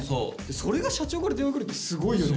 それが社長から電話来るってすごいよね。